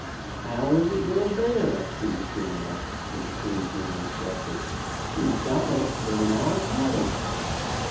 "How is it your bear?" Coonskin asked, when he came to announce breakfast. "You shot it, but in our cabin."